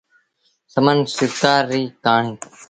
سمن سرڪآر ريٚ ڪهآڻي۔